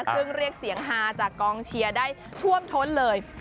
ซึ่งเรียกเสียงฮาจากกองเชียร์ได้ท่วมท้นเลย